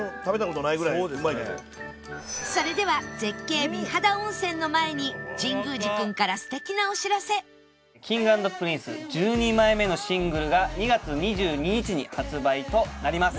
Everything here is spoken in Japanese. それでは絶景美肌温泉の前に神宮寺君から Ｋｉｎｇ＆Ｐｒｉｎｃｅ１２ 枚目のシングルが２月２２日に発売となります。